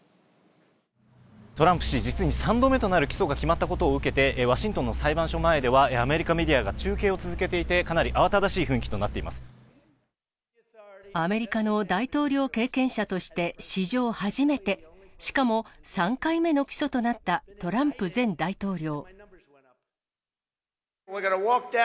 トランプ氏、実に３度目となる起訴が決まったことを受けて、ワシントンの裁判所前では、アメリカメディアが中継を続けていて、かなり慌ただしい雰囲気とアメリカの大統領経験者として史上初めて、しかも３回目の起訴となったトランプ前大統領。